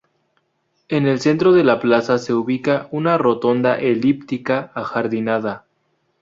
En el centro de la plaza se ubica una rotonda elíptica ajardinada.